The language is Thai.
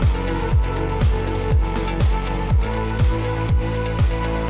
จากกล้องนี้ก็มีสองสามสองสาม